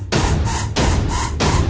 melangkah tamu disini